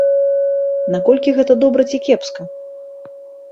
Наколькі гэта добра ці кепска?